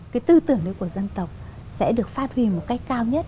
cái tư tưởng đấy của dân tộc sẽ được phát huy một cách cao nhất